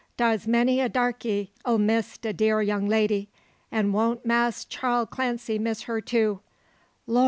Dar's many a darkie 'll miss de dear young lady. An' won't Mass Charl Clancy miss her too! Lor!